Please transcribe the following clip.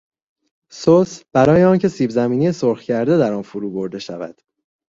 سس برای آن که سیبزمینی سرخ کرده در آن فرو برده شود.